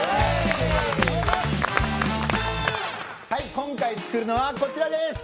今回作るのはこちらです。